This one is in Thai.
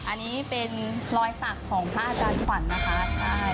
อันนี้เป็นรอยสักของพระอาจารย์ขวัญนะคะใช่